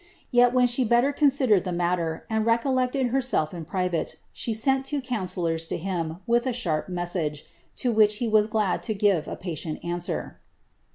Tel when she heller considered the malter, and tfcol leciej herself in privaie, she »ent two councillors to hjni, with a sharp message, to which he was glad to give a patient answer."